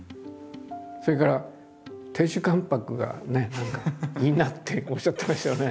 それから亭主関白がいいなっておっしゃってましたよね。